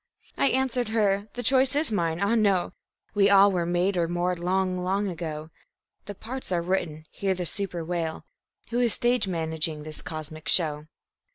I answered Her: The choice is mine ah, no! We all were made or marred long, long ago. The parts are written; hear the super wail: "Who is stage managing this cosmic show?"